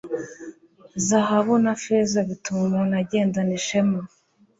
zahabu na feza bituma umuntu agendana ishema